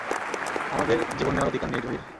আমাদের জীবন নেওয়ার অধিকার নেই, জহির।